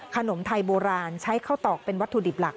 ขนมไทยโบราณใช้ข้าวตอกเป็นวัตถุดิบหลัก